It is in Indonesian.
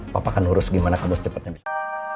papa kan urus gimana kedua secepetnya bisa